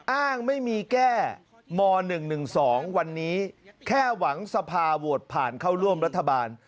อ้างไม่มีแก้ม๑๑๒วันนี้แค่หวังสภาโหวตผ่านเข้าร่วมรัฐบาล